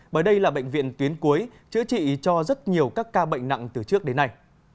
bởi đây là bệnh viện tuyến cuối chữa trị cho rất nhiều các ca bệnh nặng từ trước đến nay